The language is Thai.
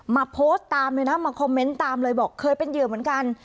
มาโพสต์ตามเลยนะมาคอมเมนต์ตามเลยบอกเคยเป็นเหยื่อเหมือนกัน